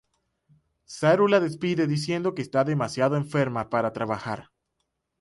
Saru la despide diciendo que está demasiado enferma para trabajar.